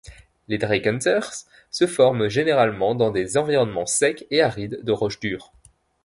Les dreikanters se forment généralement dans des environnements secs et arides de roches dures.